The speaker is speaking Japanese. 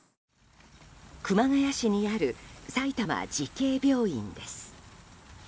熊谷市にある埼玉慈恵病院です。